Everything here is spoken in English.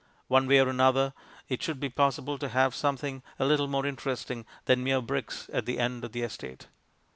One way or another, it should be possible to have something a little more interesting than mere bricks at the end of the estate.